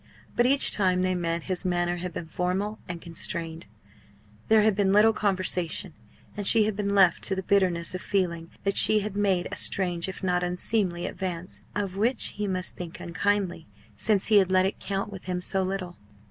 But each time they met his manner had been formal and constrained; there had been little conversation; and she had been left to the bitterness of feeling that she had made a strange if not unseemly advance, of which he must think unkindly, since he had let it count with him so little.